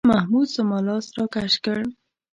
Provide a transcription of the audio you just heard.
محمود زما لاس راکش کړ.